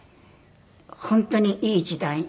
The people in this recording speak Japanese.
本当にいい時代。